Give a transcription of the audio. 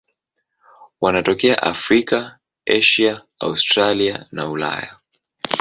Wanatokea Afrika, Asia, Australia na Ulaya.